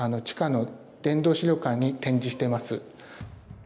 地下の殿堂資料館に展示してます。